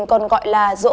còn gọi là dỗ tổ hùng vương